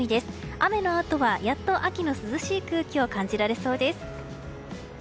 雨のあとは、やっと秋の涼しい空気を感じられそうです。